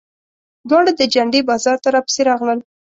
دواړه د جنډې بازار ته راپسې راغلل.